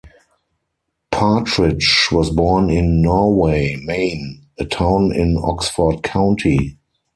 Partridge was born in Norway, Maine, a town in Oxford County.